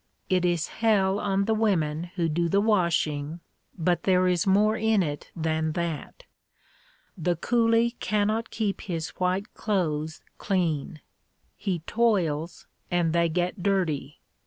It is hell on the women who do the washing, but there is more in it than that. The coolie cannot keep his white clothes clean. He toils and they get dirty.